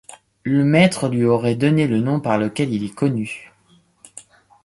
Le maître lui aurait donné le nom par lequel il est connu.